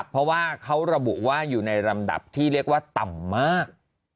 เพราะว่าเขาระบุว่าอยู่ในลำดับที่เรียกว่าต่ำมาก